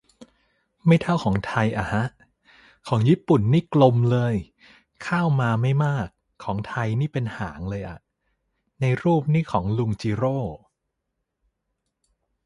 ไม่เท่าของไทยอะฮะ ของญี่ปุ่นนี่กลบเลยข้าวมาไม่มาก ของไทยนี่เป็นหางเลยอะ ในรูปนี่ของลุงจิโร่